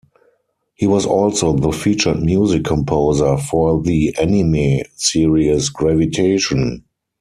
He was also the featured music composer for the anime series Gravitation.